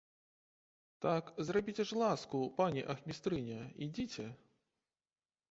Так зрабіце ж ласку, пане ахмістрыня, ідзіце!